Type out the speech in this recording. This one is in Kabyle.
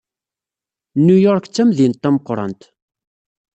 New York d tamdint tameqrant.